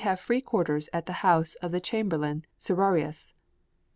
} (399) have free quarters at the house of the chamberlain Serrarius.